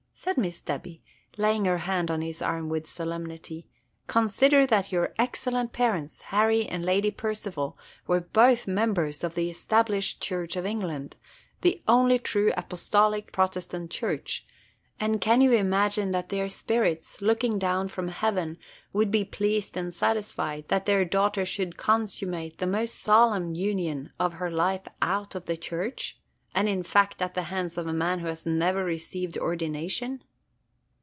said Miss Debby, laying her hand on his arm with solemnity, "consider that your excellent parents, Harry and Lady Percival, were both members of the Established Church of England, the only true Apostolic Protestant Church, – and can you imagine that their spirits, looking down from heaven, would be pleased and satisfied that their daughter should consummate the most solemn union of her life out of the Church? and in fact at the hands of a man who has never received ordination?"